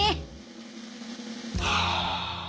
はあ。